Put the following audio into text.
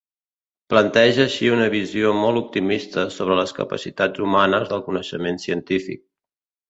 Planteja així una visió molt optimista sobre les capacitats humanes del coneixement científic.